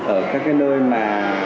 ở các nơi mà